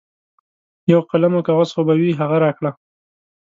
یو قلم او کاغذ خو به وي هغه راکړه.